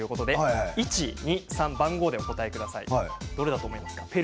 １、２、３番号でお答えください。